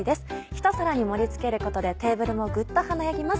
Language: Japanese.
一皿に盛り付けることでテーブルもぐっと華やぎます。